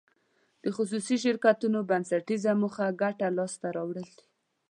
د خصوصي شرکتونو بنسټیزه موخه ګټه لاس ته راوړل دي.